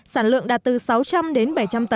sản lượng đạt từ sáu trăm linh đến bảy trăm linh tấn